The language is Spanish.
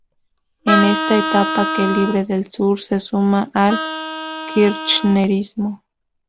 Es en esta etapa que Libre del Sur se suma al kirchnerismo.